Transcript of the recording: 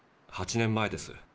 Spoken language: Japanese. ８年前です。